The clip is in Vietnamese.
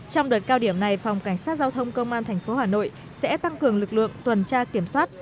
trong đợt cao điểm này phòng cảnh sát giao thông công an tp hà nội sẽ tăng cường lực lượng tuần tra kiểm soát